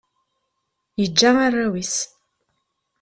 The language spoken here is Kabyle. Yeǧǧa arraw-is.